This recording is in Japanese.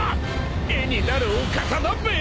絵になるお方だべ！］